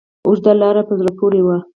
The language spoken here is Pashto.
اوږده لاره په زړه پورې وه.